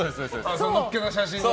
のっけた写真が。